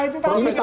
itu sudah lama ya